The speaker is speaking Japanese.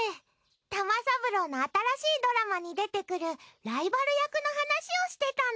たまさぶろうの新しいドラマに出てくるライバル役の話をしてたの。